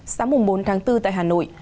sáng bốn tháng bốn tại hà nội